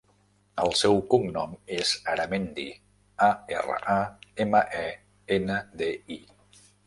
El seu cognom és Aramendi: a, erra, a, ema, e, ena, de, i.